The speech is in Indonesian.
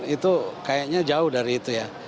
itu kayaknya jauh dari itu ya